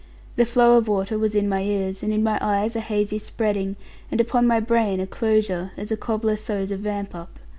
The flow of water was in my ears, and in my eyes a hazy spreading, and upon my brain a closure, as a cobbler sews a vamp up.